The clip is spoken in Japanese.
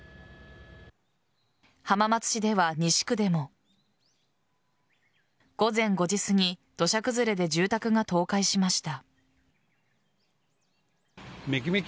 浜松市では西区でも午前５時すぎ土砂崩れで住宅が倒壊しました。